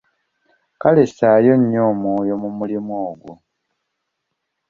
Kale ssaayo nnyo omwoyo mu mulimu ogwo.